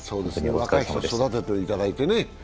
若い人を育てていただいてね。